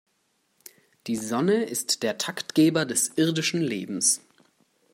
Die Sonne ist der Taktgeber des irdischen Lebens.